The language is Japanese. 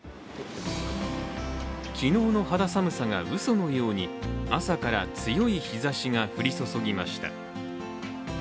昨日の肌寒さがうそのように朝から強い日ざしが降り注ぎました。